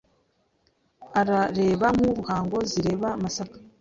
Arareba nk'Uruhango zireba Masaka.